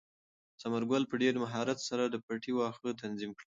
ثمر ګل په ډېر مهارت سره د پټي واښه تنظیم کړل.